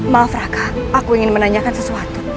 maaf raka aku ingin menanyakan sesuatu